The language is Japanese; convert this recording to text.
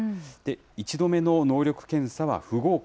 １度目の能力検査は不合格。